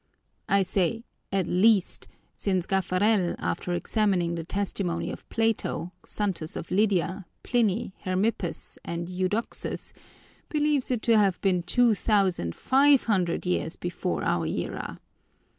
I say 'at least,' since Gaffarel, after examining the testimony of Plato, Xanthus of Lydia, Pliny, Hermippus, and Eudoxus, believes it to have been two thousand five hundred years before our era.